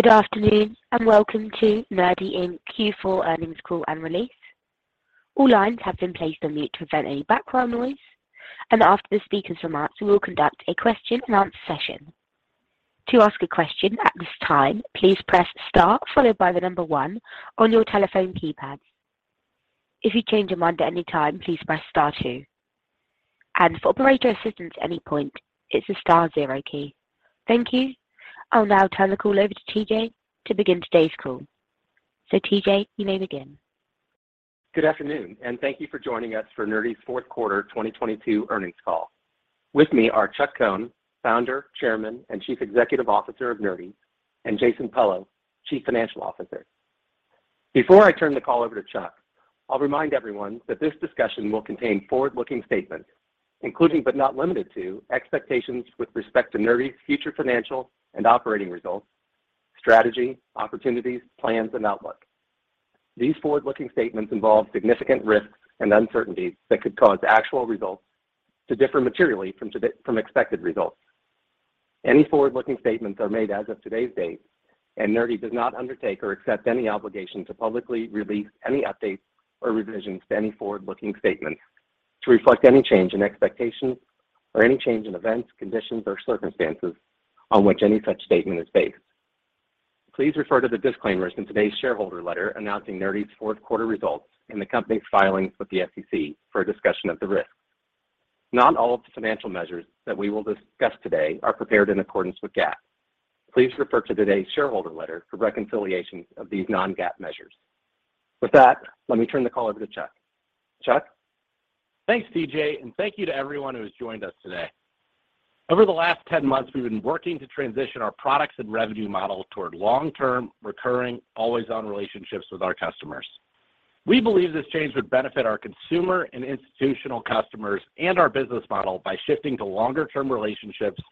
Good afternoon, welcome to Nerdy Inc. Q4 Earnings Call and Release. All lines have been placed on mute to prevent any background noise, and after the speakers' remarks, we will conduct a question and answer session. To ask a question at this time, please press star followed by the one on your telephone keypad. If you change your mind at any time, please press star two. For operator assistance at any point, it's the star 0 key. Thank you. I'll now turn the call over to TJ to begin today's call. TJ, you may begin. Good afternoon, and thank you for joining us for Nerdy's fourth quarter 2022 Earnings Call. With me are Chuck Cohn, Founder, Chairman, and Chief Executive Officer of Nerdy, and Jason Pello, Chief Financial Officer. Before I turn the call over to Chuck, I'll remind everyone that this discussion will contain forward-looking statements, including but not limited to expectations with respect to Nerdy's future financial and operating results, strategy, opportunities, plans, and outlook. These forward-looking statements involve significant risks and uncertainties that could cause actual results to differ materially today from expected results. Any forward-looking statements are made as of today's date, and Nerdy does not undertake or accept any obligation to publicly release any updates or revisions to any forward-looking statements to reflect any change in expectations or any change in events, conditions or circumstances on which any such statement is based. Please refer to the disclaimers in today's shareholder letter announcing Nerdy's fourth quarter results in the company's filings with the SEC for a discussion of the risks. Not all of the financial measures that we will discuss today are prepared in accordance with GAAP. Please refer to today's shareholder letter for reconciliation of these non-GAAP measures. With that, let me turn the call over to Chuck. Chuck? Thanks, TJ, and thank you to everyone who has joined us today. Over the last 10 months, we've been working to transition our products and revenue model toward long-term, recurring, always-on relationships with our customers. We believe this change would benefit our consumer and institutional customers and our business model by shifting to longer-term relationships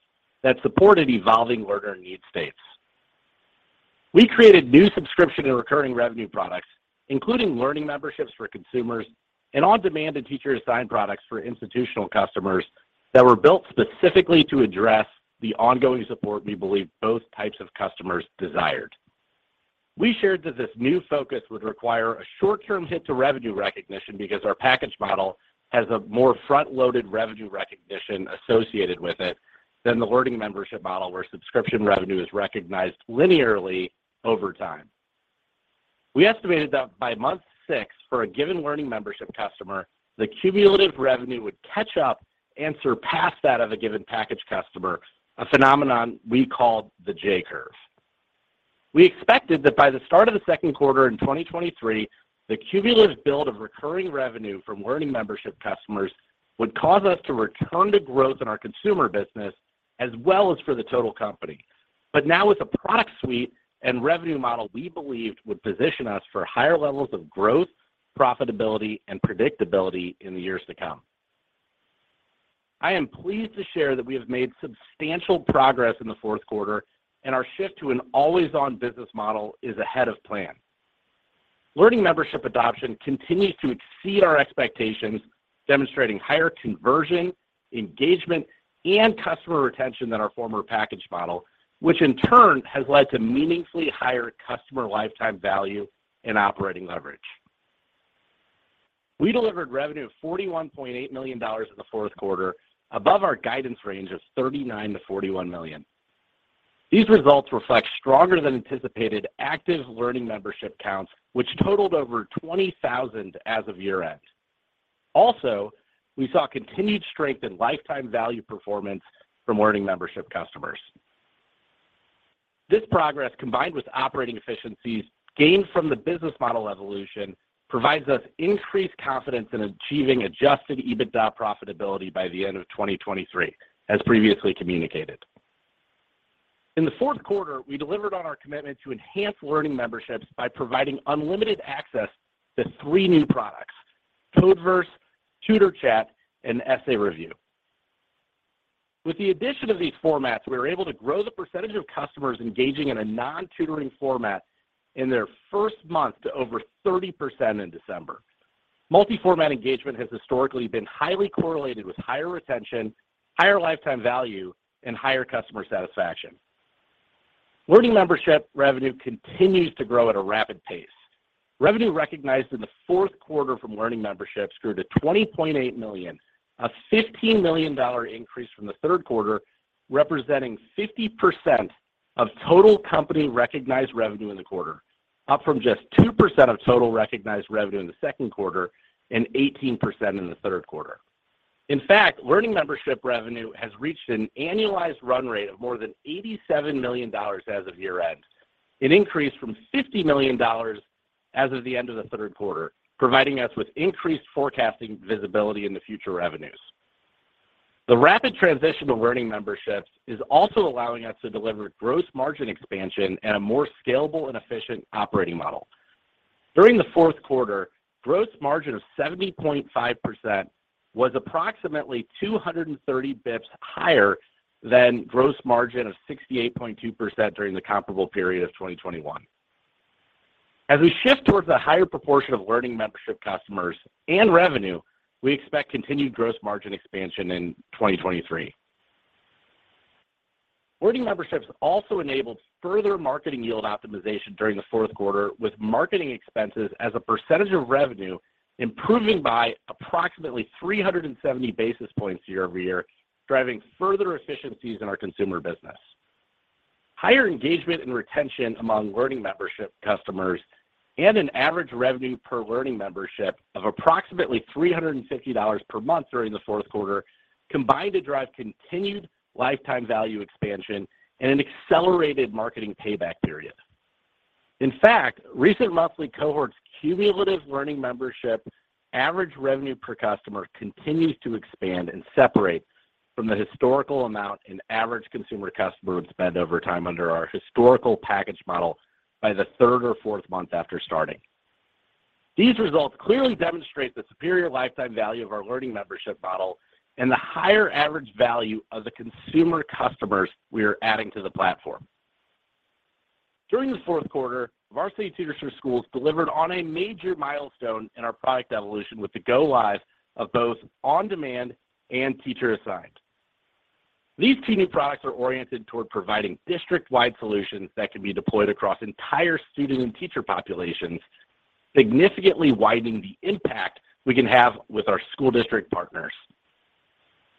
that supported evolving learner need states. We created new subscription and recurring revenue products, including Learning Memberships for consumers and On Demand and Teacher Assigned products for institutional customers that were built specifically to address the ongoing support we believe both types of customers desired. We shared that this new focus would require a short-term hit to revenue recognition because our package model has a more front-loaded revenue recognition associated with it than the Learning Membership model, where subscription revenue is recognized linearly over time. We estimated that by month six, for a given Learning Membership customer, the cumulative revenue would catch up and surpass that of a given package customer, a phenomenon we called the J-curve. We expected that by the start of the second quarter in 2023, the cumulative build of recurring revenue from Learning Membership customers would cause us to return to growth in our consumer business as well as for the total company. Now with a product suite and revenue model we believed would position us for higher levels of growth, profitability, and predictability in the years to come. I am pleased to share that we have made substantial progress in the fourth quarter, and our shift to an always-on business model is ahead of plan. Learning Memberships adoption continues to exceed our expectations, demonstrating higher conversion, engagement, and customer retention than our former package model, which in turn has led to meaningfully higher customer lifetime value and operating leverage. We delivered revenue of $41.8 million in the fourth quarter, above our guidance range of $39 million-$41 million. These results reflect stronger than anticipated active Learning Memberships counts, which totaled over 20,000 as of year-end. We saw continued strength in lifetime value performance from Learning Memberships customers. This progress, combined with operating efficiencies gained from the business model evolution, provides us increased confidence in achieving Adjusted EBITDA profitability by the end of 2023, as previously communicated. In the fourth quarter, we delivered on our commitment to enhance Learning Memberships by providing unlimited access to three new products: Codeverse, Tutor Chat, and Essay Review. With the addition of these formats, we were able to grow the percentage of customers engaging in a non-tutoring format in their first month to over 30% in December. Multi-format engagement has historically been highly correlated with higher retention, higher lifetime value, and higher customer satisfaction. Learning Memberships revenue continues to grow at a rapid pace. Revenue recognized in the fourth quarter from Learning Memberships grew to $20.8 million, a $15 million increase from the third quarter, representing 50% of total company-recognized revenue in the quarter, up from just 2% of total recognized revenue in the second quarter and 18% in the third quarter. In fact, Learning Memberships revenue has reached an annualized run rate of more than $87 million as of year-end, an increase from $50 million as of the end of the third quarter, providing us with increased forecasting visibility into future revenues. The rapid transition to Learning Memberships is also allowing us to deliver gross margin expansion and a more scalable and efficient operating model. During the fourth quarter, gross margin of 70.5% was approximately 230 basis points higher than gross margin of 68.2% during the comparable period of 2021. We shift towards a higher proportion of Learning Memberships customers and revenue, we expect continued gross margin expansion in 2023. Learning Memberships also enabled further marketing yield optimization during the fourth quarter, with marketing expenses as a percentage of revenue improving by approximately 370 basis points year-over-year, driving further efficiencies in our consumer business. Higher engagement and retention among Learning Membership customers and an average revenue per Learning Membership of approximately $350 per month during the fourth quarter combined to drive continued lifetime value expansion and an accelerated marketing payback period. In fact, recent monthly cohorts cumulative Learning Membership average revenue per customer continues to expand and separate from the historical amount an average consumer customer would spend over time under our historical package model by the third or fourth month after starting. These results clearly demonstrate the superior lifetime value of our Learning Membership model and the higher average value of the consumer customers we are adding to the platform. During the fourth quarter, Varsity Tutors for Schools delivered on a major milestone in our product evolution with the go-live of both On Demand and Teacher Assigned. These two new products are oriented toward providing district-wide solutions that can be deployed across entire student and teacher populations, significantly widening the impact we can have with our school district partners.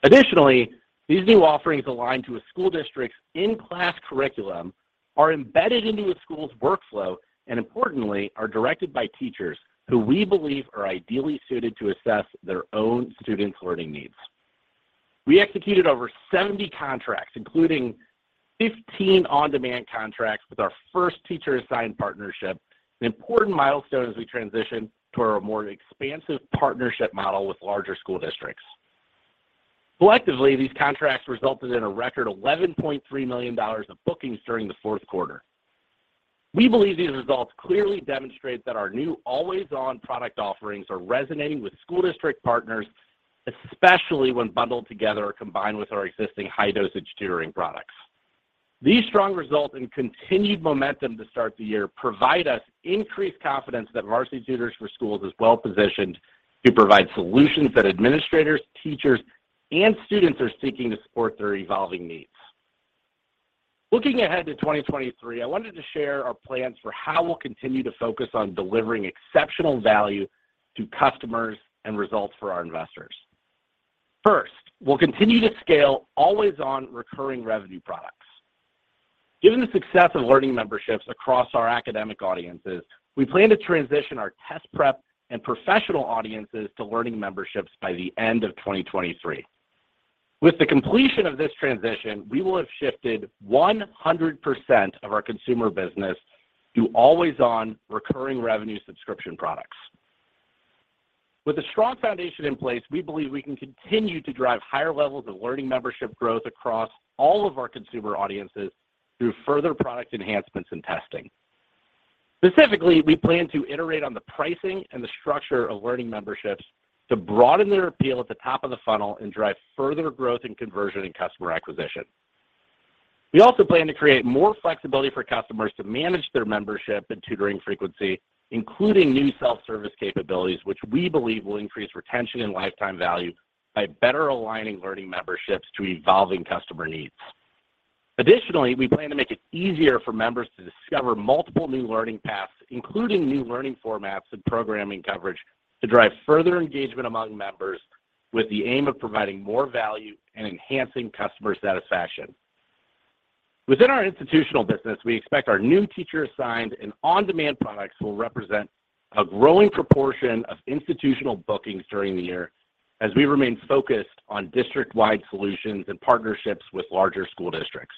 Additionally, these new offerings align to a school district's in-class curriculum, are embedded into a school's workflow, and importantly, are directed by teachers who we believe are ideally suited to assess their own students' learning needs. We executed over 70 contracts, including 15 On Demand contracts with our first Teacher Assigned partnership, an important milestone as we transition to our more expansive partnership model with larger school districts. Collectively, these contracts resulted in a record $11.3 million of bookings during the fourth quarter. We believe these results clearly demonstrate that our new always-on product offerings are resonating with school district partners, especially when bundled together or combined with our existing High-Dosage Tutoring products. These strong results and continued momentum to start the year provide us increased confidence that Varsity Tutors for Schools is well-positioned to provide solutions that administrators, teachers, and students are seeking to support their evolving needs. Looking ahead to 2023, I wanted to share our plans for how we'll continue to focus on delivering exceptional value to customers and results for our investors. First, we'll continue to scale always-on recurring revenue products. Given the success of Learning Memberships across our academic audiences, we plan to transition our test prep and professional audiences to Learning Memberships by the end of 2023. With the completion of this transition, we will have shifted 100% of our consumer business to always-on recurring revenue subscription products. With a strong foundation in place, we believe we can continue to drive higher levels of Learning Memberships growth across all of our consumer audiences through further product enhancements and testing. Specifically, we plan to iterate on the pricing and the structure of Learning Memberships to broaden their appeal at the top of the funnel and drive further growth in conversion and customer acquisition. We also plan to create more flexibility for customers to manage their membership and tutoring frequency, including new self-service capabilities, which we believe will increase retention and lifetime value by better aligning Learning Memberships to evolving customer needs. Additionally, we plan to make it easier for members to discover multiple new learning paths, including new learning formats and programming coverage, to drive further engagement among members with the aim of providing more value and enhancing customer satisfaction. Within our institutional business, we expect our new Teacher Assigned and On Demand products will represent a growing proportion of institutional bookings during the year as we remain focused on district-wide solutions and partnerships with larger school districts.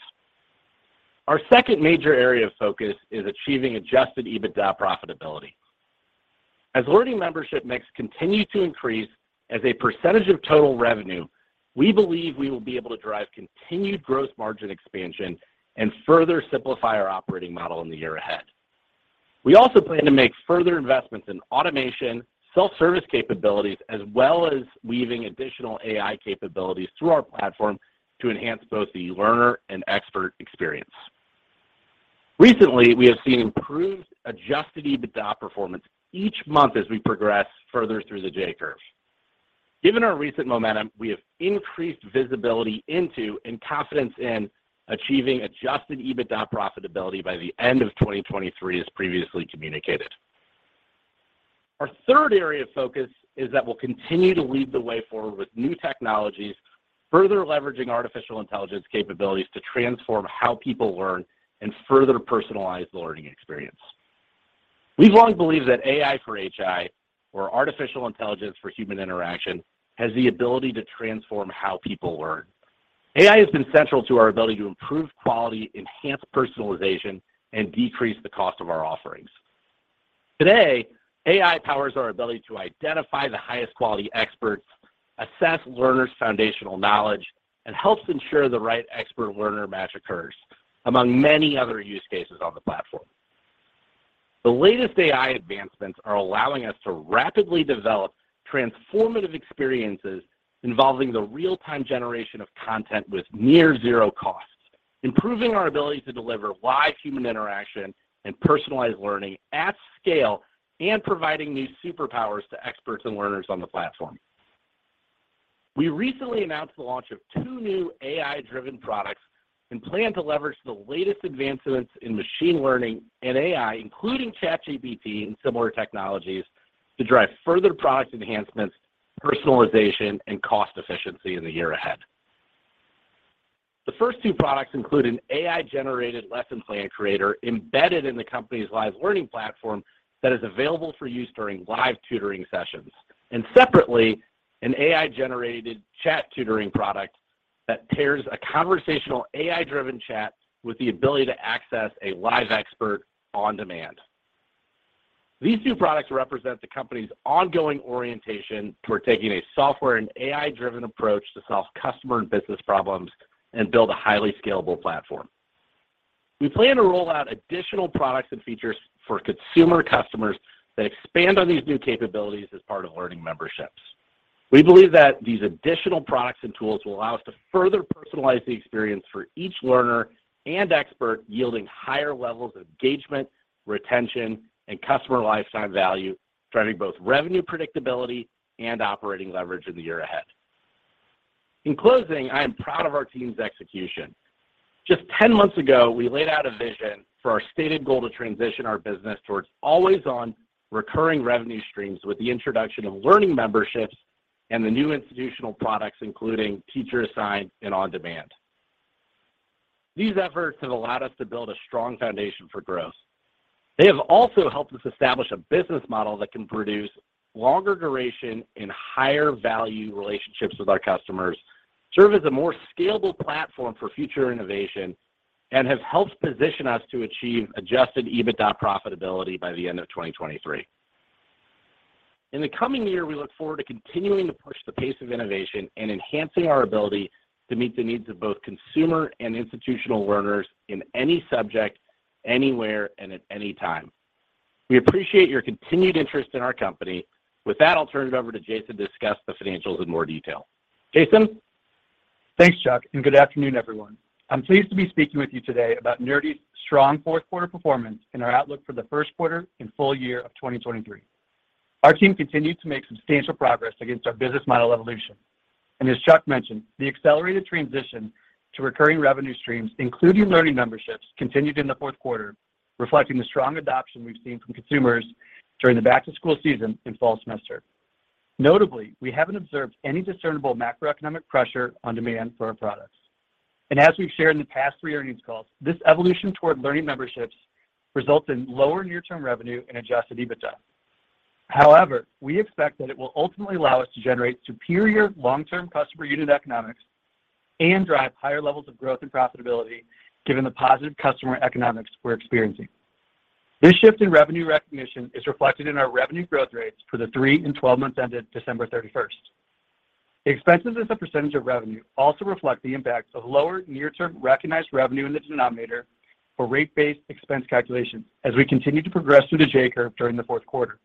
Our second major area of focus is achieving Adjusted EBITDA profitability. As Learning Membership mix continue to increase as a percentage of total revenue, we believe we will be able to drive continued gross margin expansion and further simplify our operating model in the year ahead. We also plan to make further investments in automation, self-service capabilities, as well as weaving additional AI capabilities through our platform to enhance both the learner and expert experience. Recently, we have seen improved Adjusted EBITDA performance each month as we progress further through the J-curve. Given our recent momentum, we have increased visibility into and confidence in achieving Adjusted EBITDA profitability by the end of 2023, as previously communicated. Our third area of focus is that we'll continue to lead the way forward with new technologies, further leveraging artificial intelligence capabilities to transform how people learn and further personalize the learning experience. We've long believed that AI for HI, or artificial intelligence for human interaction, has the ability to transform how people learn. AI has been central to our ability to improve quality, enhance personalization, and decrease the cost of our offerings. Today, AI powers our ability to identify the highest quality experts, assess learners' foundational knowledge, and helps ensure the right expert-learner match occurs, among many other use cases on the platform. The latest AI advancements are allowing us to rapidly develop transformative experiences involving the real-time generation of content with near zero cost, improving our ability to deliver live human interaction and personalized learning at scale and providing new superpowers to experts and learners on the platform. We recently announced the launch of two new AI-driven products and plan to leverage the latest advancements in machine learning and AI, including ChatGPT and similar technologies, to drive further product enhancements, personalization, and cost efficiency in the year ahead. The first two products include an AI-generated lesson plan creator embedded in the company's live learning platform that is available for use during live tutoring sessions. Separately, an AI-generated chat tutoring product that pairs a conversational AI-driven chat with the ability to access a live expert on demand. These two products represent the company's ongoing orientation toward taking a software and AI-driven approach to solve customer and business problems and build a highly scalable platform. We plan to roll out additional products and features for consumer customers that expand on these new capabilities as part of Learning Memberships. We believe that these additional products and tools will allow us to further personalize the experience for each learner and expert, yielding higher levels of engagement, retention, and customer lifetime value, driving both revenue predictability and operating leverage in the year ahead. In closing, I am proud of our team's execution. Just 10 months ago, we laid out a vision for our stated goal to transition our business towards always-on recurring revenue streams with the introduction of Learning Memberships and the new institutional products, including Teacher Assigned and On-Demand. These efforts have allowed us to build a strong foundation for growth. They have also helped us establish a business model that can produce longer duration and higher value relationships with our customers, serve as a more scalable platform for future innovation, and have helped position us to achieve Adjusted EBITDA profitability by the end of 2023. In the coming year, we look forward to continuing to push the pace of innovation and enhancing our ability to meet the needs of both consumer and institutional learners in any subject, anywhere, and at any time. We appreciate your continued interest in our company. With that, I'll turn it over to Jason to discuss the financials in more detail. Jason? Thanks, Chuck. Good afternoon, everyone. I'm pleased to be speaking with you today about Nerdy's strong fourth quarter performance and our outlook for the first quarter and full year of 2023. Our team continued to make substantial progress against our business model evolution. As Chuck mentioned, the accelerated transition to recurring revenue streams, including Learning Memberships, continued in the fourth quarter, reflecting the strong adoption we've seen from consumers during the back-to-school season and fall semester. Notably, we haven't observed any discernible macroeconomic pressure on demand for our products. As we've shared in the past three earnings calls, this evolution toward Learning Memberships results in lower near-term revenue and Adjusted EBITDA. However, we expect that it will ultimately allow us to generate superior long-term customer unit economics and drive higher levels of growth and profitability given the positive customer economics we're experiencing. This shift in revenue recognition is reflected in our revenue growth rates for the three and 12 months ended December 31st. Expenses as a percentage of revenue also reflect the impacts of lower near-term recognized revenue in the denominator for rate-based expense calculations as we continue to progress through the J-curve during the fourth quarter.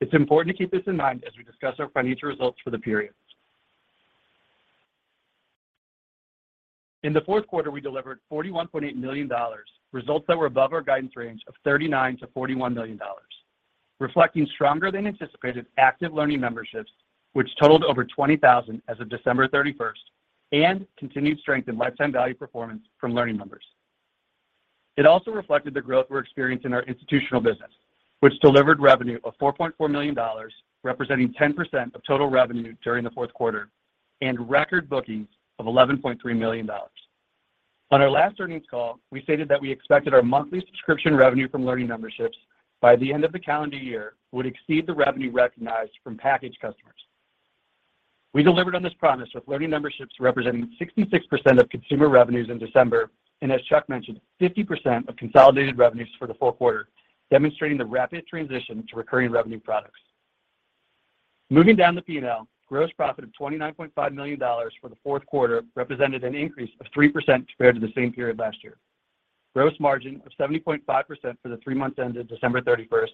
It's important to keep this in mind as we discuss our financial results for the period. In the fourth quarter, we delivered $41.8 million, results that were above our guidance range of $39 million-$41 million, reflecting stronger than anticipated active Learning Memberships, which totaled over 20,000 as of December 31st, and continued strength in lifetime value performance from learning members. It also reflected the growth we're experiencing in our institutional business, which delivered revenue of $4.4 million, representing 10% of total revenue during the fourth quarter, and record bookings of $11.3 million. On our last earnings call, we stated that we expected our monthly subscription revenue from Learning Memberships by the end of the calendar year would exceed the revenue recognized from packaged customers. We delivered on this promise, with Learning Memberships representing 66% of consumer revenues in December, and as Chuck mentioned, 50% of consolidated revenues for the fourth quarter, demonstrating the rapid transition to recurring revenue products. Moving down the P&L, gross profit of $29.5 million for the fourth quarter represented an increase of 3% compared to the same period last year. Gross margin of 70.5% for the three months ended December 31st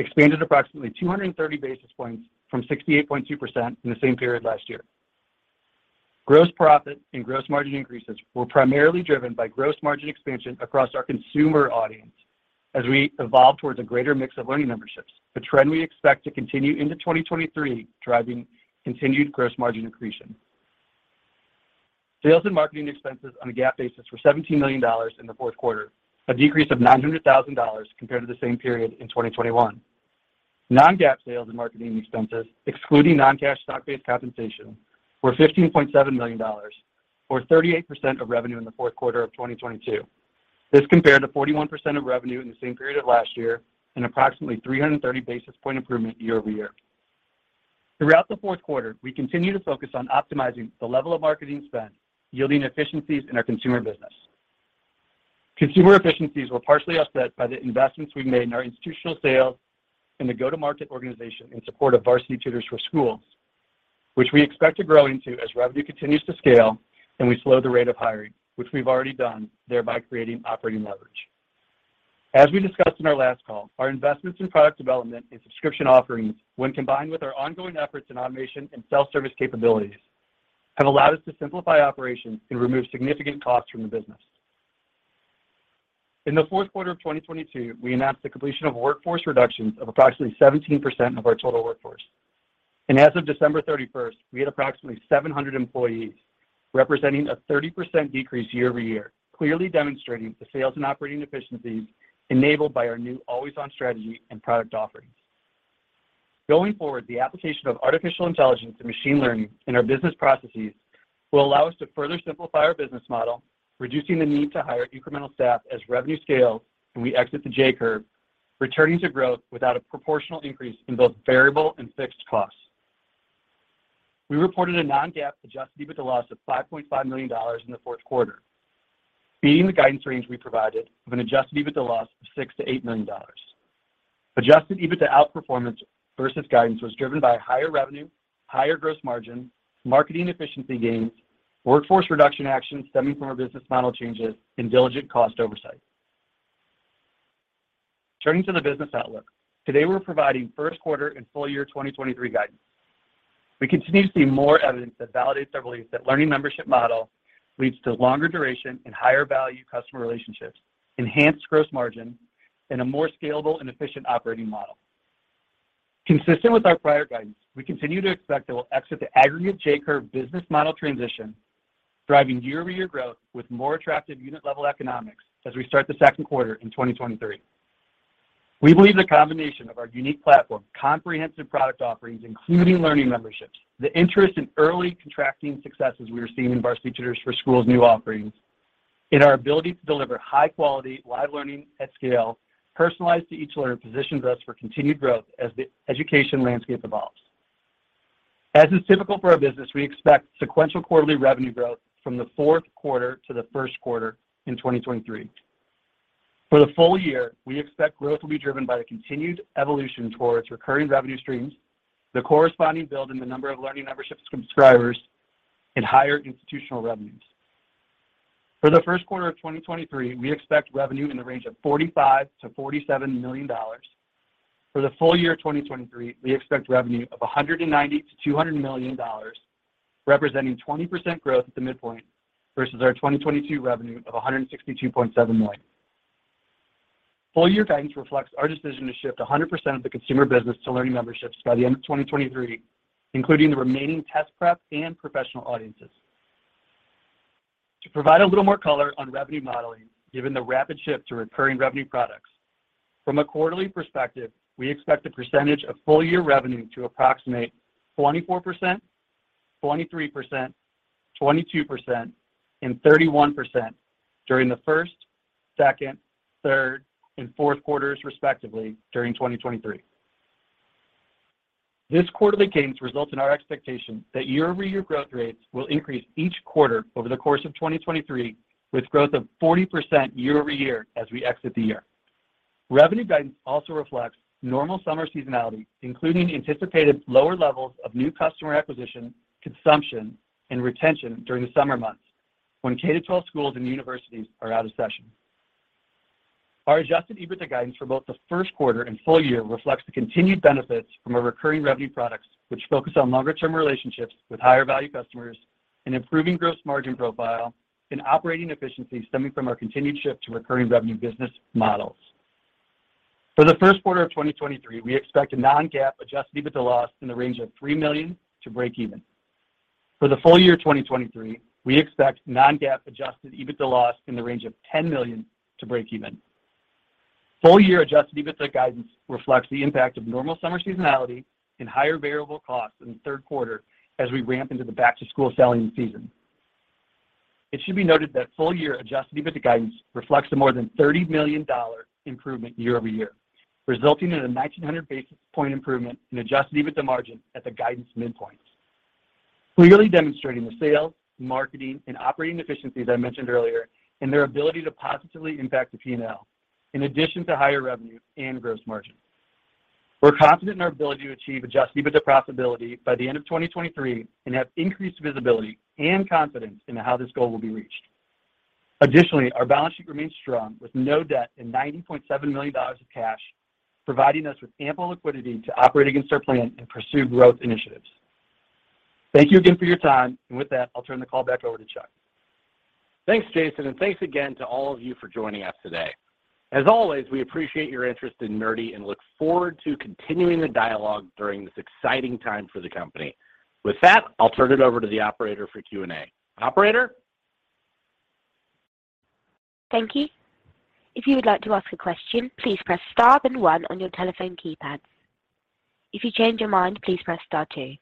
expanded approximately 230 basis points from 68.2% in the same period last year. Gross profit and gross margin increases were primarily driven by gross margin expansion across our consumer audience as we evolve towards a greater mix of Learning Memberships, a trend we expect to continue into 2023, driving continued gross margin accretion. Sales and marketing expenses on a GAAP basis were $17 million in the fourth quarter, a decrease of $900,000 compared to the same period in 2021. Non-GAAP sales and marketing expenses, excluding non-cash stock-based compensation, were $15.7 million, or 38% of revenue in the fourth quarter of 2022. This compared to 41% of revenue in the same period of last year and approximately 330 basis point improvement year-over-year. Throughout the fourth quarter, we continue to focus on optimizing the level of marketing spend, yielding efficiencies in our consumer business. Consumer efficiencies were partially offset by the investments we've made in our institutional sales and the go-to-market organization in support of Varsity Tutors for Schools, which we expect to grow into as revenue continues to scale and we slow the rate of hiring, which we've already done, thereby creating operating leverage. As we discussed in our last call, our investments in product development and subscription offerings, when combined with our ongoing efforts in automation and self-service capabilities, have allowed us to simplify operations and remove significant costs from the business. In the fourth quarter of 2022, we announced the completion of workforce reductions of approximately 17% of our total workforce. As of December 31st, we had approximately 700 employees, representing a 30% decrease year-over-year, clearly demonstrating the sales and operating efficiencies enabled by our new always-on strategy and product offerings. Going forward, the application of artificial intelligence and machine learning in our business processes will allow us to further simplify our business model, reducing the need to hire incremental staff as revenue scales and we exit the J-curve, returning to growth without a proportional increase in both variable and fixed costs. We reported a non-GAAP Adjusted EBITDA loss of $5.5 million in the fourth quarter, beating the guidance range we provided of an Adjusted EBITDA loss of $6 million-$8 million. Adjusted EBITDA outperformance versus guidance was driven by higher revenue, higher gross margin, marketing efficiency gains, workforce reduction actions stemming from our business model changes, and diligent cost oversight. Turning to the business outlook. Today, we're providing first quarter and full year 2023 guidance. We continue to see more evidence that validates our belief that learning membership model leads to longer duration and higher value customer relationships, enhanced gross margin, and a more scalable and efficient operating model. Consistent with our prior guidance, we continue to expect that we'll exit the aggregate J-curve business model transition, driving year-over-year growth with more attractive unit-level economics as we start the second quarter in 2023. We believe the combination of our unique platform, comprehensive product offerings, including Learning Memberships, the interest in early contracting successes we are seeing in Varsity Tutors for Schools' new offerings, and our ability to deliver high-quality live learning at scale personalized to each learner positions us for continued growth as the education landscape evolves. As is typical for our business, we expect sequential quarterly revenue growth from the fourth quarter to the first quarter in 2023. For the full year, we expect growth will be driven by the continued evolution towards recurring revenue streams, the corresponding build in the number of Learning Memberships subscribers, and higher institutional revenues. For the first quarter of 2023, we expect revenue in the range of $45 million-$47 million. For the full year 2023, we expect revenue of $190 million-$200 million, representing 20% growth at the midpoint versus our 2022 revenue of $162.7 million. Full year guidance reflects our decision to shift 100% of the consumer business to Learning Memberships by the end of 2023, including the remaining test prep and professional audiences. To provide a little more color on revenue modeling, given the rapid shift to recurring revenue products, from a quarterly perspective, we expect a percentage of full year revenue to approximate 24%, 23%, 22%, and 31% during the first, second, third, and fourth quarters, respectively, during 2023. This quarterly cadence results in our expectation that year-over-year growth rates will increase each quarter over the course of 2023, with growth of 40% year-over-year as we exit the year. Revenue guidance also reflects normal summer seasonality, including anticipated lower levels of new customer acquisition, consumption, and retention during the summer months when K-12 schools and universities are out of session. Our Adjusted EBITDA guidance for both the first quarter and full year reflects the continued benefits from our recurring revenue products, which focus on longer-term relationships with higher value customers and improving gross margin profile and operating efficiency stemming from our continued shift to recurring revenue business models. For the first quarter of 2023, we expect a non-GAAP Adjusted EBITDA loss in the range of $3 million to breakeven. For the full year 2023, we expect non-GAAP Adjusted EBITDA loss in the range of $10 million to breakeven. Full year Adjusted EBITDA guidance reflects the impact of normal summer seasonality and higher variable costs in the third quarter as we ramp into the back-to-school selling season. It should be noted that full year Adjusted EBITDA guidance reflects a more than $30 million improvement year-over-year, resulting in a 1,900 basis point improvement in Adjusted EBITDA margin at the guidance midpoint. Clearly demonstrating the sales, marketing, and operating efficiencies I mentioned earlier and their ability to positively impact the P&L, in addition to higher revenue and gross margin. We're confident in our ability to achieve Adjusted EBITDA profitability by the end of 2023 and have increased visibility and confidence into how this goal will be reached. Additionally, our balance sheet remains strong with no debt and $90.7 million of cash, providing us with ample liquidity to operate against our plan and pursue growth initiatives. Thank you again for your time. With that, I'll turn the call back over to Chuck. Thanks, Jason. Thanks again to all of you for joining us today. As always, we appreciate your interest in Nerdy and look forward to continuing the dialogue during this exciting time for the company. With that, I'll turn it over to the operator for Q&A. Operator? Thank you. If you would like to ask a question, please press star then one on your telephone keypad. If you change your mind, please press star two.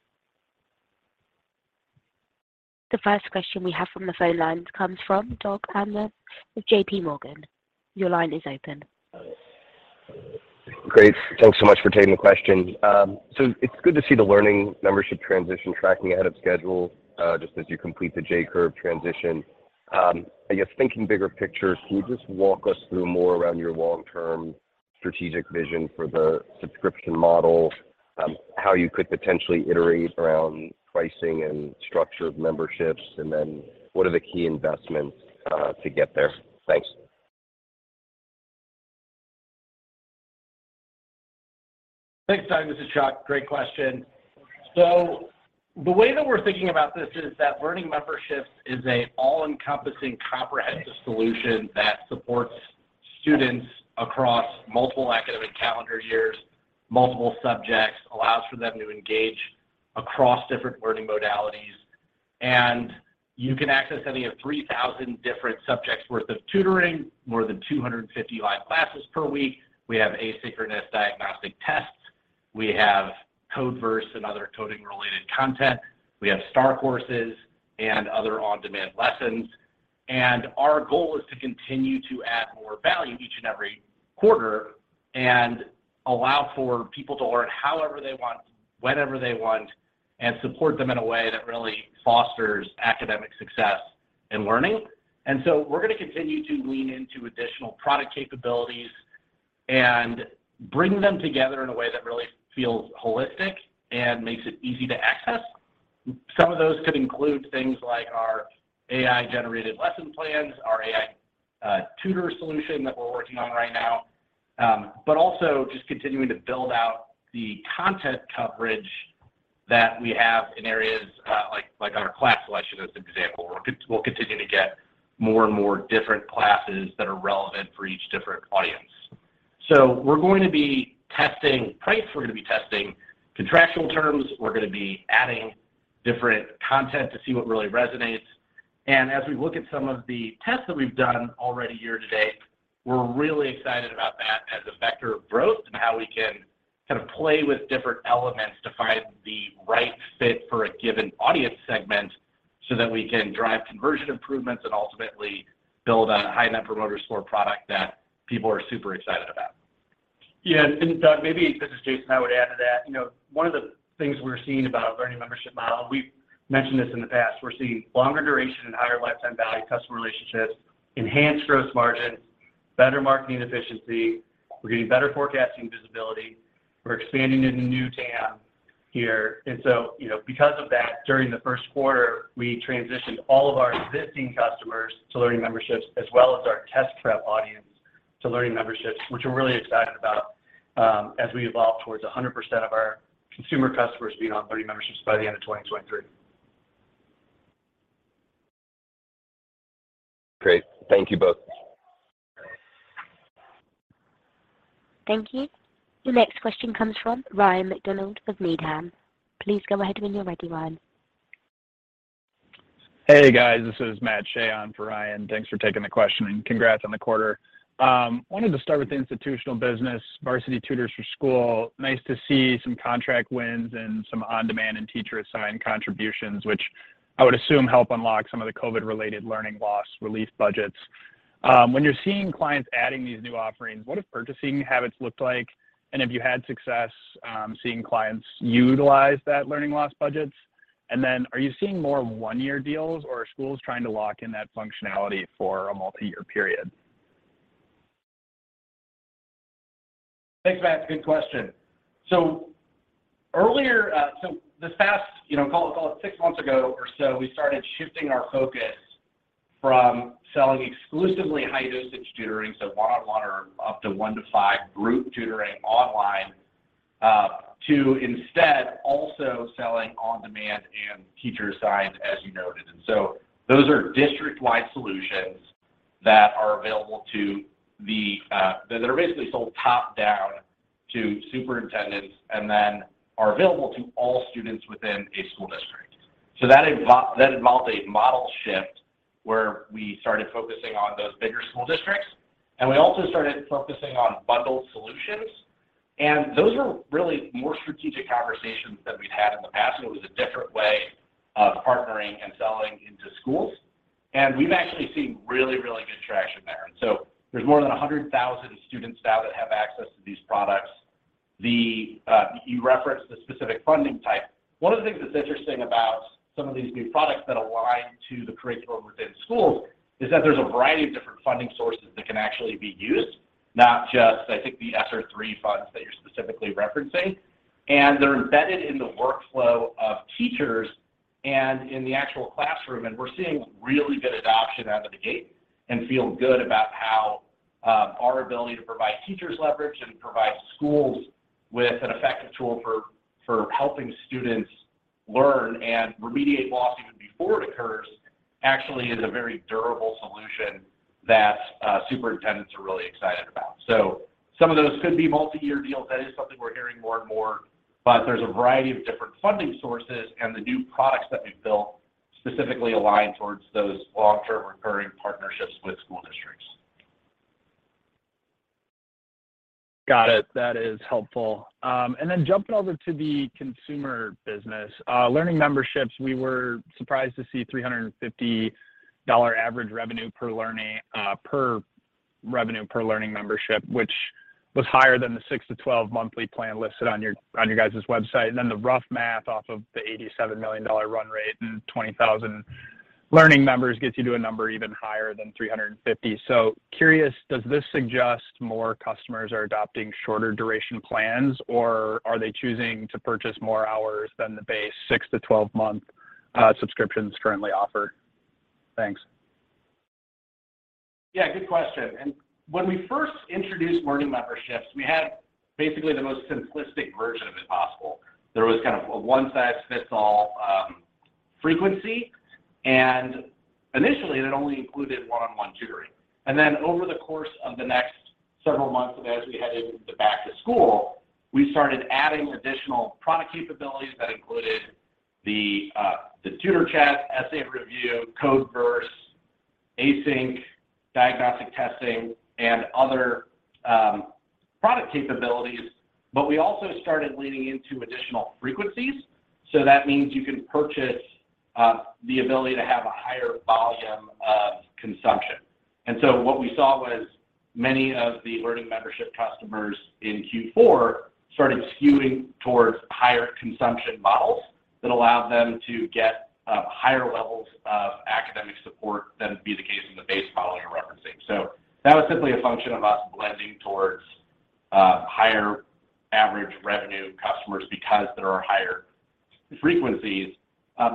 The first question we have from the phone lines comes from Doug Anmuth with JPMorgan. Your line is open. Great. Thanks so much for taking the question. It's good to see the Learning Memberships transition tracking ahead of schedule, just as you complete the J-curve transition. I guess thinking bigger picture, can you just walk us through more around your long-term strategic vision for the subscription model, how you could potentially iterate around pricing and structure of memberships, and then what are the key investments to get there? Thanks. Thanks, Doug. This is Chuck. Great question. The way that we're thinking about this is that Learning Memberships is a all-encompassing comprehensive solution that supports students across multiple academic calendar years, multiple subjects, allows for them to engage across different learning modalities, and you can access any of 3,000 different subjects worth of tutoring, more than 250 live classes per week. We have asynchronous diagnostic tests. We have Codeverse and other coding-related content. We have StarCourses and other on-demand lessons. Our goal is to continue to add more value each and every quarter and allow for people to learn however they want, whenever they want, and support them in a way that really fosters academic success and learning. We're gonna continue to lean into additional product capabilities and bring them together in a way that really feels holistic and makes it easy to access. Some of those could include things like our AI-generated lesson plans, our AI tutor solution that we're working on right now, but also just continuing to build out the content coverage that we have in areas, like our class selection as an example. We'll continue to get more and more different classes that are relevant for each different audience. We're going to be testing price. We're gonna be testing contractual terms. We're gonna be adding different content to see what really resonates. As we look at some of the tests that we've done already year to date, we're really excited about that as a vector of growth and how we can kind of play with different elements to find the right fit for a given audience segment so that we can drive conversion improvements and ultimately build a high Net Promoter Score product that people are super excited about. Yeah. Doug, maybe, this is Jason, I would add to that. You know, one of the things we're seeing about Learning Memberships model, we've mentioned this in the past, we're seeing longer duration and higher lifetime value customer relationships, enhanced gross margins, better marketing efficiency. We're getting better forecasting visibility. We're expanding into new TAM here. You know, because of that, during the first quarter, we transitioned all of our existing customers to Learning Memberships as well as our test prep audience to Learning Memberships, which we're really excited about, as we evolve towards 100% of our consumer customers being on Learning Memberships by the end of 2023. Great. Thank you both. Thank you. Your next question comes from Ryan MacDonald with Needham. Please go ahead when you're ready, Ryan. Hey, guys. This is Matt Shea on for Ryan. Thanks for taking the question, and congrats on the quarter. Wanted to start with the institutional business, Varsity Tutors for Schools. Nice to see some contract wins and some On Demand and Teacher Assigned contributions, which I would assume help unlock some of the COVID related learning loss relief budgets. When you're seeing clients adding these new offerings, what do purchasing habits look like? Have you had success seeing clients utilize that learning loss budgets? Are you seeing more one-year deals, or are schools trying to lock in that functionality for a multi-year period? Thanks, Matt. Good question. Earlier, this past, you know, call it six months ago or so, we started shifting our focus from selling exclusively High-Dosage Tutoring, so one on one or up to one to five group tutoring online, to instead also selling On Demand and Teacher Assigned, as you noted. Those are district-wide solutions that are available to the, that are basically sold top down to superintendents and then are available to all students within a school district. That involved a model shift where we started focusing on those bigger school districts, and we also started focusing on bundled solutions. Those are really more strategic conversations than we've had in the past, and it was a different way of partnering and selling into schools. We've actually seen really, really good traction there. There's more than 100,000 students now that have access to these products. The, you referenced the specific funding type. One of the things that's interesting about some of these new products that align to the curriculum within schools is that there's a variety of different funding sources that can actually be used, not just, I think, the ESSER III funds that you're specifically referencing. They're embedded in the workflow of teachers and in the actual classroom, and we're seeing really good adoption out of the gate and feel good about how our ability to provide teachers leverage and provide schools with an effective tool for helping students learn and remediate loss even before it occurs actually is a very durable solution that superintendents are really excited about. Some of those could be multiyear deals. That is something we're hearing more and more. There's a variety of different funding sources. The new products that we've built specifically align towards those long-term recurring partnerships with school districts. Got it. That is helpful. Jumping over to the consumer business. Learning Memberships, we were surprised to see $350 average revenue per revenue per Learning Membership, which was higher than the 6-12 monthly plan listed on your, on your guys' website. The rough math off of the $87 million run rate and 20,000 Learning Members gets you to a number even higher than $350. Curious, does this suggest more customers are adopting shorter duration plans, or are they choosing to purchase more hours than the base 6-12-month subscriptions currently offer? Thanks. Yeah, good question. When we first introduced Learning Memberships, we had basically the most simplistic version of it possible. There was kind of a one-size-fits-all frequency, initially, it only included one-on-one tutoring. Over the course of the next several months, as we headed into the back to school, we started adding additional product capabilities that included the Tutor Chat, Essay Review, Codeverse, Async, diagnostic testing, and other product capabilities. We also started leaning into additional frequencies, so that means you can purchase the ability to have a higher volume of consumption. What we saw was many of the Learning Memberships customers in Q4 started skewing towards higher consumption models that allowed them to get higher levels of academic support than would be the case in the base model you're referencing. That was simply a function of us blending towards higher average revenue customers because there are higher frequencies.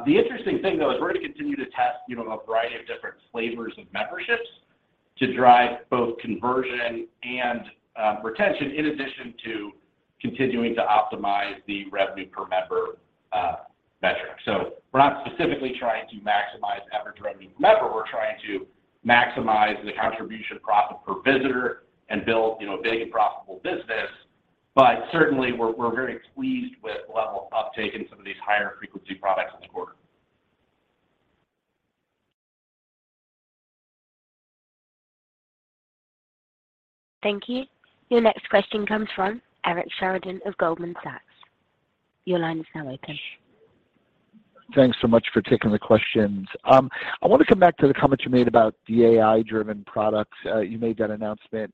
The interesting thing, though, is we're going to continue to test, you know, a variety of different flavors of memberships to drive both conversion and retention in addition to continuing to optimize the revenue per member metric. We're not specifically trying to maximize average revenue per member. We're trying to maximize the contribution profit per visitor and build, you know, a big and profitable business. Certainly we're very pleased with the level of uptake in some of these higher frequency products this quarter. Thank you. Your next question comes from Eric Sheridan of Goldman Sachs. Your line is now open. Thanks so much for taking the questions. I want to come back to the comments you made about the AI-driven products. You made that announcement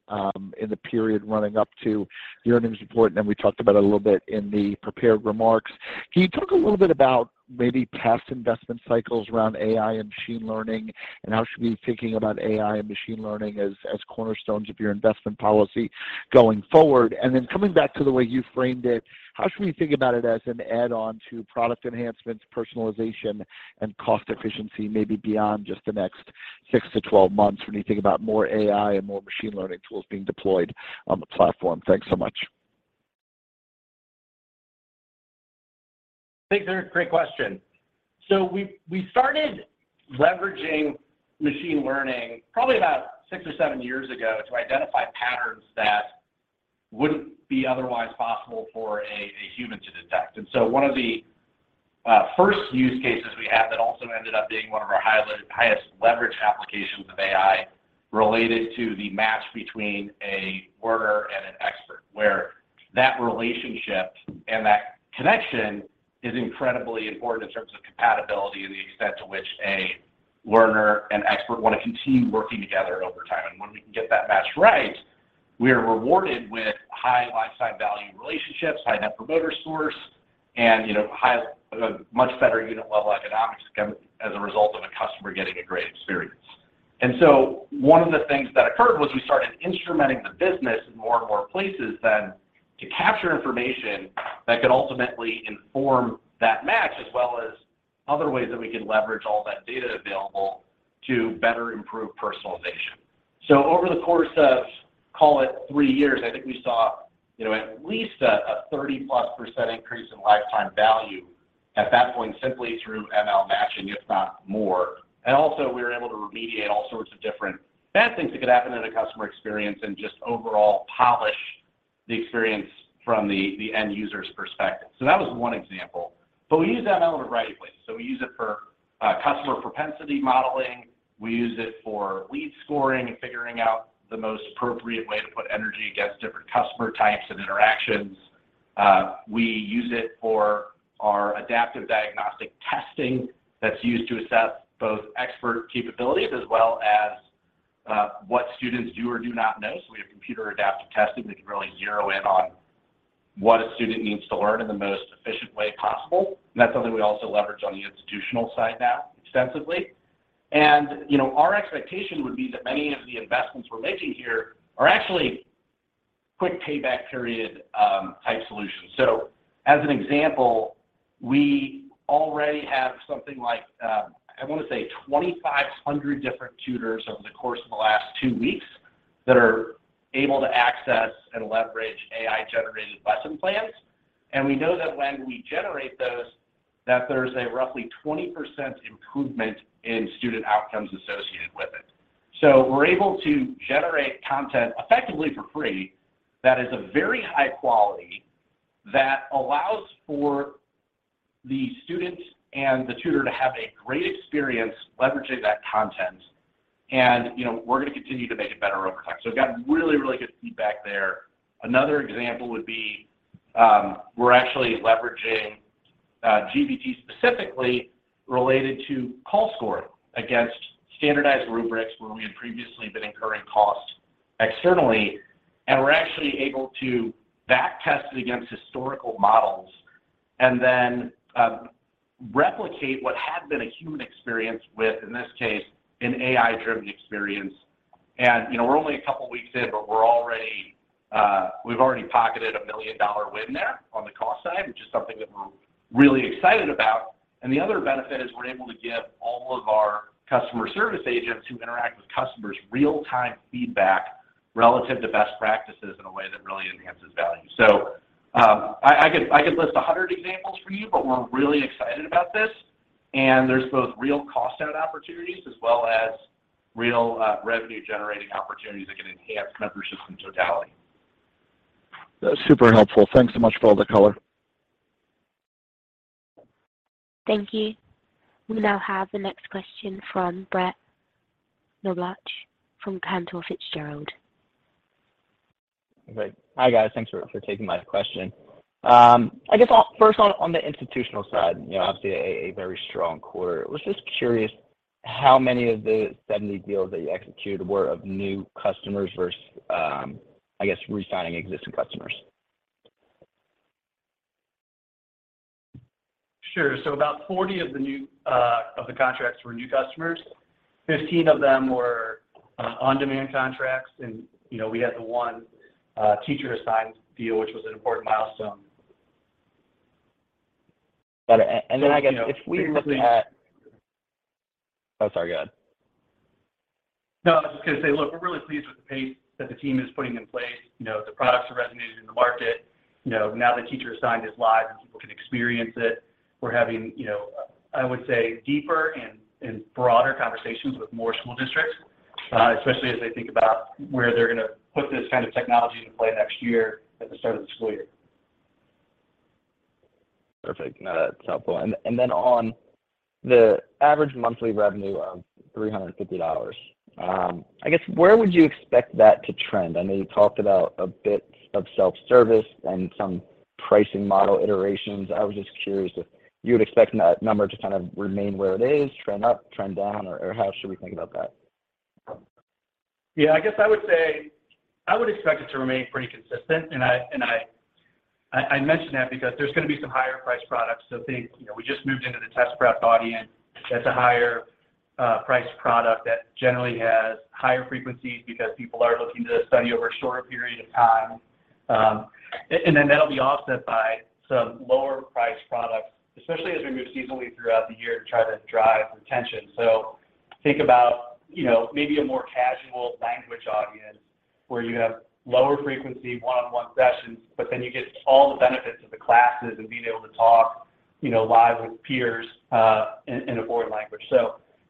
in the period running up to the earnings report, and then we talked about it a little bit in the prepared remarks. Can you talk a little bit about maybe past investment cycles around AI and machine learning, and how should we be thinking about AI and machine learning as cornerstones of your investment policy going forward? Coming back to the way you framed it, how should we think about it as an add-on to product enhancements, personalization, and cost efficiency, maybe beyond just the next 6-12 months when you think about more AI and more machine learning tools being deployed on the platform? Thanks so much. Thanks, Eric. Great question. We started leveraging machine learning probably about six or 7 years ago to identify patterns that wouldn't be otherwise possible for a human to detect. One of the first use cases we had that also ended up being one of our highest leverage applications of AI related to the match between a learner and an expert, where that relationship and that connection is incredibly important in terms of compatibility and the extent to which a learner and expert want to continue working together over time. When we can get that match right, we are rewarded with high lifetime value relationships, high Net Promoter Scores, and, you know, much better unit-level economics as a result of a customer getting a great experience. One of the things that occurred was we started instrumenting the business in more and more places then to capture information that could ultimately inform that match as well as other ways that we could leverage all that data available to better improve personalization. Over the course of, call it three years, I think we saw, you know, at least a 30+% increase in lifetime value at that point simply through ML matching, if not more. We were able to remediate all sorts of different bad things that could happen in a customer experience and just overall polish the experience from the end user's perspective. That was one example, but we use ML in a variety of ways. We use it for customer propensity modeling. We use it for lead scoring and figuring out the most appropriate way to put energy against different customer types and interactions. We use it for our adaptive diagnostic testing that's used to assess both expert capabilities as well as what students do or do not know. We have computer-adaptive testing that can really zero in on what a student needs to learn in the most efficient way possible, and that's something we also leverage on the institutional side now extensively. You know, our expectation would be that many of the investments we're making here are actually quick payback period type solutions. As an example, we already have something like, I want to say 2,500 different tutors over the course of the last two weeks that are able to access and leverage AI-generated lesson plans. We know that when we generate those, that there's a roughly 20% improvement in student outcomes associated with it. We're able to generate content effectively for free that is of very high quality, that allows for the student and the tutor to have a great experience leveraging that content and, you know, we're gonna continue to make it better over time. We've gotten really, really good feedback there. Another example would be, we're actually leveraging GPT specifically related to call scoring against standardized rubrics where we had previously been incurring costs externally. We're actually able to back test it against historical models and then replicate what had been a human experience with, in this case, an AI-driven experience. You know, we're only a couple weeks in, but we're already we've already pocketed a $1 million win there on the cost side, which is something that we're really excited about. The other benefit is we're able to give all of our customer service agents who interact with customers real-time feedback relative to best practices in a way that really enhances value. I could list 100 examples for you, but we're really excited about this, and there's both real cost out opportunities as well as real revenue generating opportunities that can enhance membership in totality. That's super helpful. Thanks so much for all the color. Thank you. We now have the next question from Brett Knoblauch from Cantor Fitzgerald. Great. Hi, guys. Thanks for taking my question. I guess first on the institutional side, you know, obviously a very strong quarter. Was just curious how many of the 70 deals that you executed were of new customers versus, I guess resigning existing customers? Sure. About 40 of the new, of the contracts were new customers. 15 of them were, On Demand contracts and, you know, we had the one, Teacher Assigned deal, which was an important milestone. Got it. I guess if we look at- you know, we're really-. Oh, sorry. Go ahead. No, I was just gonna say, look, we're really pleased with the pace that the team is putting in place. You know, the products are resonating in the market. You know, now the Teacher Assigned is live and people can experience it. We're having, you know, I would say deeper and broader conversations with more school districts, especially as they think about where they're gonna put this kind of technology into play next year at the start of the school year. Perfect. No, that's helpful. Then on the average monthly revenue of $350, I guess, where would you expect that to trend? I know you talked about a bit of self-service and some pricing model iterations. I was just curious if you would expect that number to kind of remain where it is, trend up, trend down, or how should we think about that? Yeah. I guess I would say I would expect it to remain pretty consistent. I mention that because there's gonna be some higher priced products. Think, you know, we just moved into the test prep audience. That's a higher priced product that generally has higher frequencies because people are looking to study over a shorter period of time. And then that'll be offset by some lower priced products, especially as we move seasonally throughout the year to try to drive retention. Think about, you know, maybe a more casual language audience where you have lower frequency one-on-one sessions, but then you get all the benefits of the classes and being able to talk, you know, live with peers in a foreign language.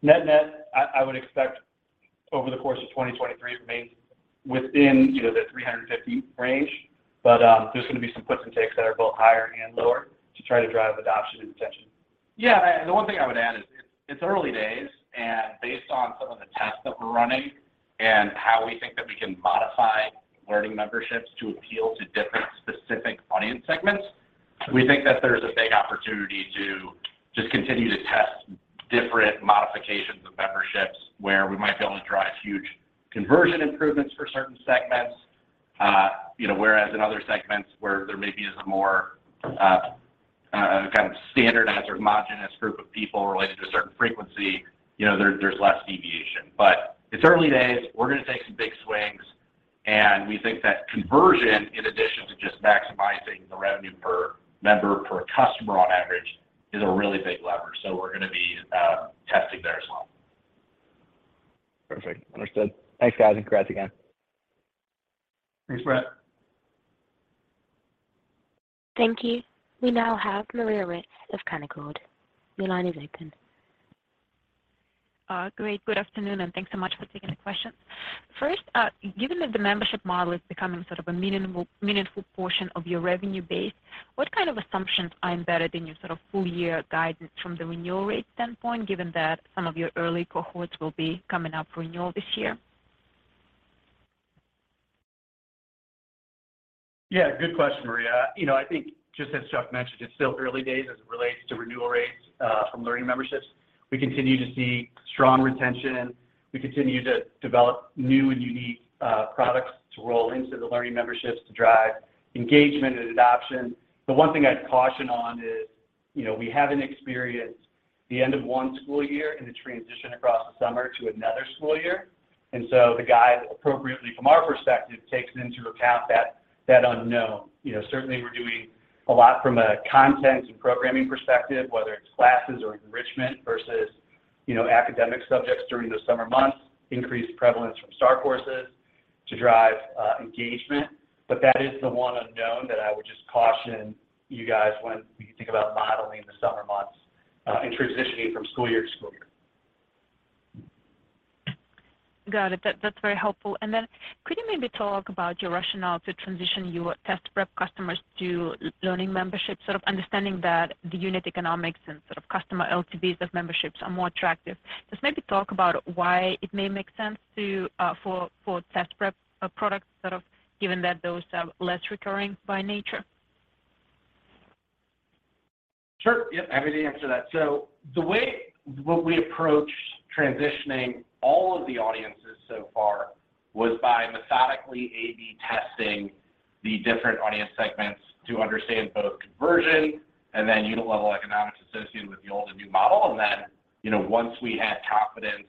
Net-net, I would expect over the course of 2023 to remain within, you know, the 350 range. There's gonna be some puts and takes that are both higher and lower to try to drive adoption and retention. Yeah. The one thing I would add is it's early days, and based on some of the tests that we're running and how we think that we can modify Learning Memberships to appeal to different specific audience segments, we think that there's a big opportunity to just continue to test different modifications of memberships where we might be able to drive huge conversion improvements for certain segments. You know, whereas in other segments where there maybe is a more kind of standardized or homogenous group of people related to a certain frequency, you know, there's less deviation. It's early days. We're gonna take some big swings, and we think that conversion in addition to just maximizing the revenue per member, per customer on average, is a really big lever. We're gonna be testing there as well. Perfect. Understood. Thanks, guys, and congrats again. Thanks, Brett. Thank you. We now have Maria Ripps of Canaccord. Your line is open. Great. Good afternoon, thanks so much for taking the question. First, given that the membership model is becoming sort of a meaningful portion of your revenue base, what kind of assumptions are embedded in your sort of full year guidance from the renewal rate standpoint, given that some of your early cohorts will be coming up renewal this year? Yeah, good question, Maria. You know, I think just as Chuck mentioned, it's still early days as it relates to renewal rates from Learning Memberships. We continue to see strong retention. We continue to develop new and unique products to roll into the Learning Memberships to drive engagement and adoption. The one thing I'd caution on is, you know, we haven't experienced the end of one school year and the transition across the summer to another school year. The guide appropriately from our perspective, takes into account that unknown. You know, certainly we're doing a lot from a content and programming perspective, whether it's classes or enrichment versus, you know, academic subjects during the summer months, increased prevalence from StarCourses to drive engagement. That is the one unknown that I would just caution you guys when you think about modeling the summer months, and transitioning from school year to school year. Got it. That's very helpful. Could you maybe talk about your rationale to transition your test prep customers to Learning Membership, sort of understanding that the unit economics and sort of customer LTVs of memberships are more attractive? Just maybe talk about why it may make sense to for test prep products sort of given that those are less recurring by nature. Sure. Yep, happy to answer that. The way we approach transitioning all of the audiences so far was by methodically A/B testing the different audience segments to understand both conversion and then unit level economics associated with the old and new model. Then, you know, once we had confidence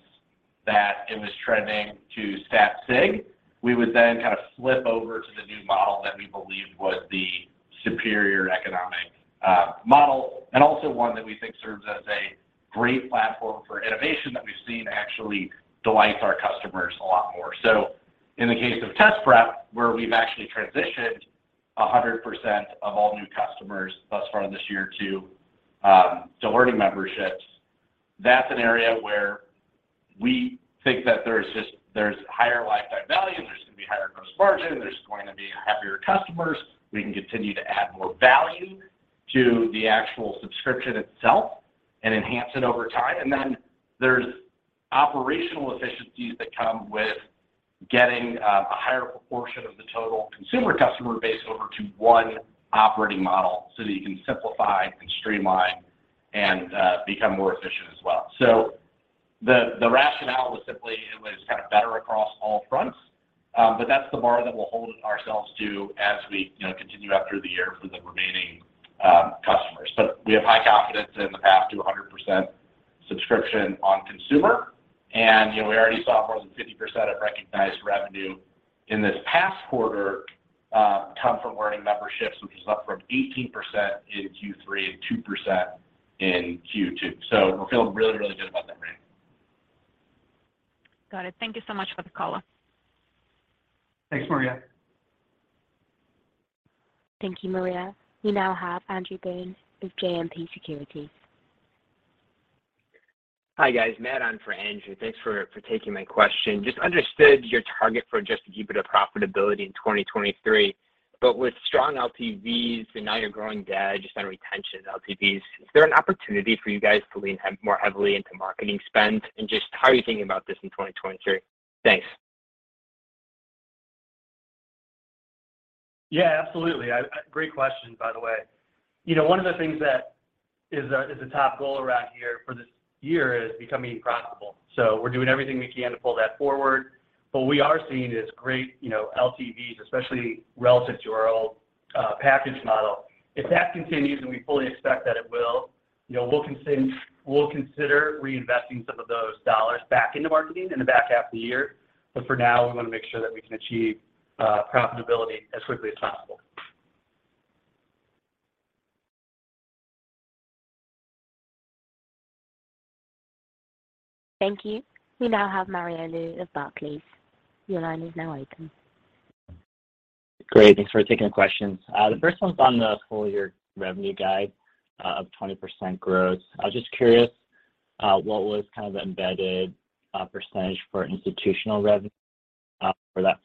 that it was trending to statistical significance, we would then kind of flip over to the new model that we believed was the superior economic model, and also one that we think serves as a great platform for innovation that we've seen actually delight our customers a lot more. In the case of test prep, where we've actually transitioned 100% of all new customers thus far this year to Learning Memberships, that's an area where we think that there's higher lifetime value, there's gonna be higher gross margin, there's going to be happier customers. We can continue to add more value to the actual subscription itself and enhance it over time. Then there's operational efficiencies that come with getting a higher proportion of the total consumer customer base over to one operating model so that you can simplify and streamline and become more efficient as well. The, the rationale was simply it was kind of better across all fronts. But that's the bar that we're holding ourselves to as we, you know, continue after the year for the remaining customers. We have high confidence in the path to 100% subscription on consumer. You know, we already saw more than 50% of recognized revenue in this past quarter, come from Learning Memberships, which is up from 18% in Q3 and 2% in Q2. We're feeling really, really good about that ramp. Got it. Thank you so much for the call. Thanks, Maria. Thank you, Maria. We now have Andrew Boone with JMP Securities. Hi, guys. Matt on for Andrew. Thanks for taking my question. Just understood your target for just EBITDA profitability in 2023. With strong LTVs and now you're growing dad just on retention LTVs, is there an opportunity for you guys to lean more heavily into marketing spend? Just how are you thinking about this in 2023? Thanks. Absolutely. I. Great question by the way. You know, one of the things that is a, is a top goal around here for this year is becoming profitable. We're doing everything we can to pull that forward. What we are seeing is great, you know, LTVs, especially relative to our old package model. If that continues, and we fully expect that it will, you know, we'll consider reinvesting some of those $ back into marketing in the back half of the year. For now, we wanna make sure that we can achieve profitability as quickly as possible. Thank you. We now have Mario Lu of Barclays. Your line is now open. Great. Thanks for taking the questions. The first one's on the full-year revenue guide of 20% growth. I was just curious what was kinda the embedded percentage for institutional revenue for that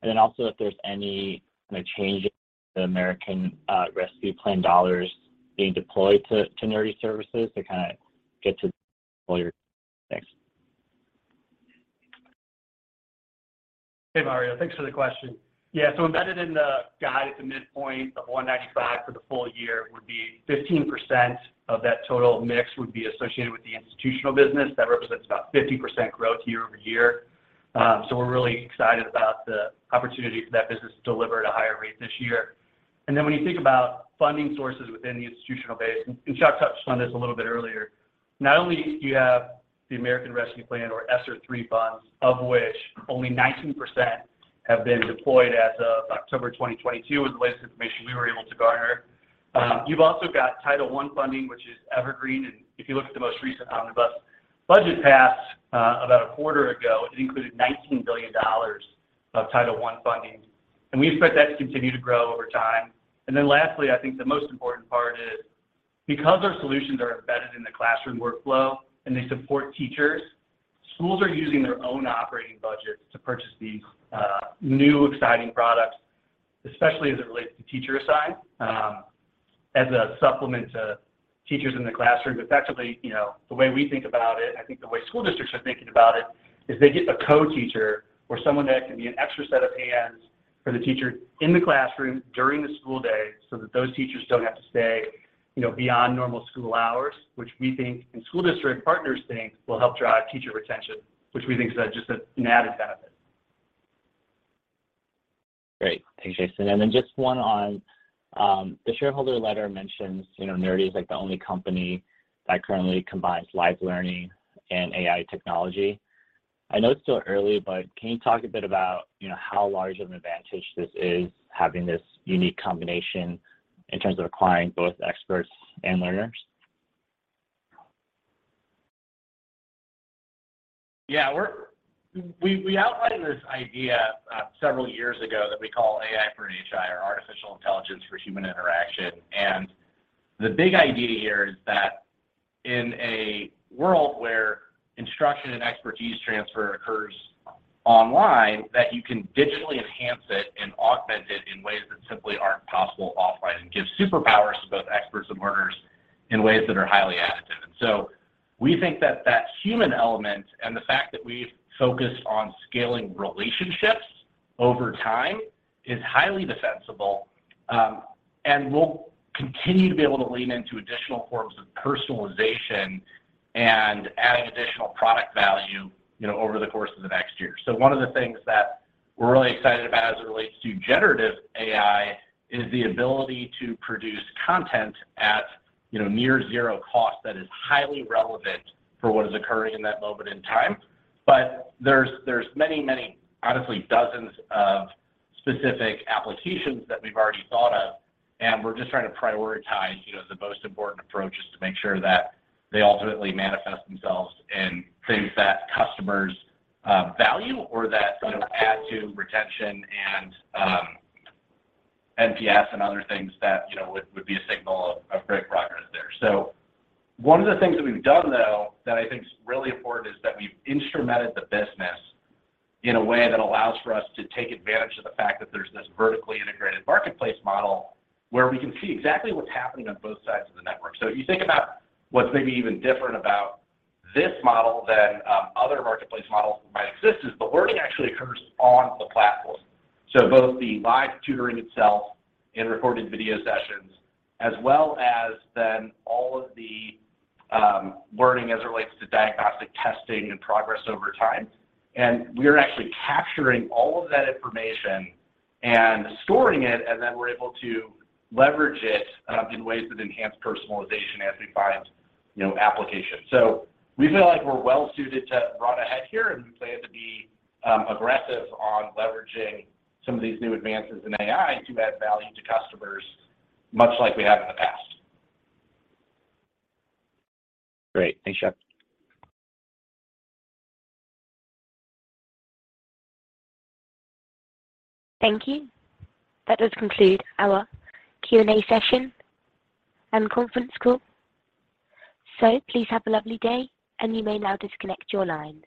full-year number? Also, if there's any kinda change in the American Rescue Plan dollars being deployed to Nerdy services to kinda get to full year. Thanks. Hey, Mario. Thanks for the question. Embedded in the guide at the midpoint, the 195 for the full year would be 15% of that total mix would be associated with the institutional business. That represents about 50% growth year-over-year. We're really excited about the opportunity for that business to deliver at a higher rate this year. When you think about funding sources within the institutional base, and Chuck touched on this a little bit earlier, not only do you have the American Rescue Plan or ESSER-III funds, of which only 19% have been deployed as of October 2022, was the latest information we were able to garner. You've also got Title I funding, which is Evergreen. If you look at the most recent omnibus budget passed, about a quarter ago, it included $19 billion of Title I funding. We expect that to continue to grow over time. Lastly, I think the most important part is because our solutions are embedded in the classroom workflow and they support teachers, schools are using their own operating budgets to purchase these new exciting products, especially as it relates to Teacher Assigned, as a supplement to teachers in the classroom. Effectively, you know, the way we think about it, and I think the way school districts are thinking about it, is they get a co-teacher or someone that can be an extra set of hands for the teacher in the classroom during the school day, so that those teachers don't have to stay, you know, beyond normal school hours, which we think and school district partners think will help drive teacher retention, which we think is just an added benefit. Great. Thanks, Jason. Just one on the shareholder letter mentions, you know, Nerdy is like the only company that currently combines live learning and AI technology. I know it's still early, but can you talk a bit about, you know, how large of an advantage this is having this unique combination in terms of acquiring both experts and learners? Yeah. We outlined this idea, several years ago that we call AI for HI or artificial intelligence for human interaction. The big idea here is that in a world where instruction and expertise transfer occurs online, that you can digitally enhance it and augment it in ways that simply aren't possible offline and give superpowers to both experts and learners In ways that are highly additive. We think that that human element and the fact that we've focused on scaling relationships over time is highly defensible, and we'll continue to be able to lean into additional forms of personalization and adding additional product value, you know, over the course of the next year. One of the things that we're really excited about as it relates to generative AI is the ability to produce content at, you know, near zero cost that is highly relevant for what is occurring in that moment in time. There's many, honestly dozens of specific applications that we've already thought of, and we're just trying to prioritize, you know, the most important approaches to make sure that they ultimately manifest themselves in things that customers value or that, you know, add to retention and NPS and other things that, you know, would be a signal of great progress there. One of the things that we've done though that I think is really important is that we've instrumented the business in a way that allows for us to take advantage of the fact that there's this vertically integrated marketplace model where we can see exactly what's happening on both sides of the network. You think about what's maybe even different about this model than other marketplace models that might exist is the learning actually occurs on the platform. Both the live tutoring itself and recorded video sessions, as well as then all of the learning as it relates to diagnostic testing and progress over time. We are actually capturing all of that information and storing it, and then we're able to leverage it in ways that enhance personalization as we find, you know, applications. We feel like we're well-suited to run ahead here, and we plan to be aggressive on leveraging some of these new advances in AI to add value to customers, much like we have in the past. Great. Thanks, Jeff. Thank you. That does conclude our Q&A session and conference call. Please have a lovely day, and you may now disconnect your lines.